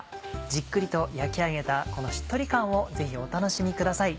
じっくりと焼き上げたこのしっとり感をぜひお楽しみください。